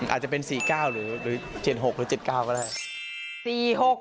อาจจะเป็น๔๙หรือ๗๖หรือ๗๙ก็ได้